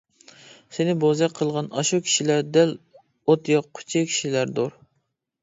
سېنى بوزەك قىلغان ئاشۇ كىشىلەر دەل ئوت ياققۇچى كىشىلەردۇر.